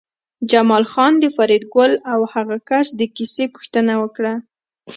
جمال خان د فریدګل او هغه کس د کیسې پوښتنه وکړه